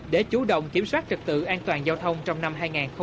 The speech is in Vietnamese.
để chủ động kiểm soát trật tự an toàn giao thông trong năm hai nghìn một mươi sáu